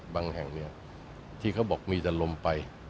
บางแห่งเนี่ยที่เขาบอกมีแต่ลมไป